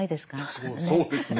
そうですね。